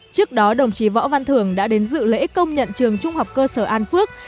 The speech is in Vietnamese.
trước đó đồng chí võ văn thường đã đến dự lễ công nhận trường trung học cơ sở an phước